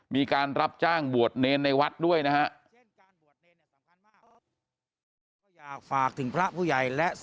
มีการรับจ้างบวชเนรในวัดด้วยนะฮะ